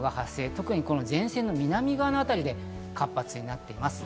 特に前線の南側のあたりで活発になっています。